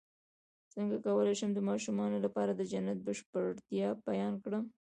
څنګه کولی شم د ماشومانو لپاره د جنت د بشپړتیا بیان کړم